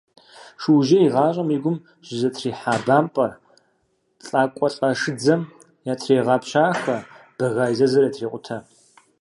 Шужьей и гъащӀэм и гум щызэтрихьа бампӀэр лӀакъуэлӀэшыдзэм ятрегъэпщахэ, бэга и зэзыр ятрекъутэ.